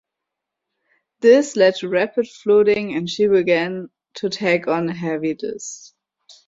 This led to rapid flooding and she began to take on a heavy list.